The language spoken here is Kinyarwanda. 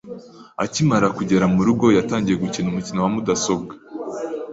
Akimara kugera murugo, yatangiye gukina umukino wa mudasobwa.